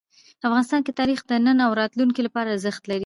افغانستان کې تاریخ د نن او راتلونکي لپاره ارزښت لري.